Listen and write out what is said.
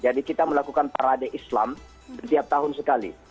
jadi kita melakukan parade islam setiap tahun sekali